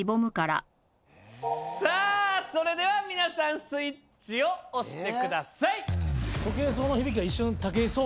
それでは皆さんスイッチを押してください。